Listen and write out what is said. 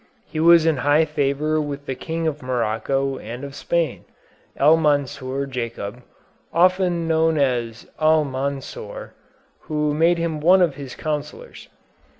He was in high favor with the King of Morocco and of Spain, El Mansur Jacub, often known as Almansor, who made him one of his counsellors.